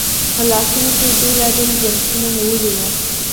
په لاسونو کې یې بېلابېل جنسونه نیولي وو.